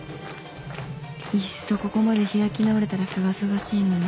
いっそここまで開き直れたらすがすがしいのに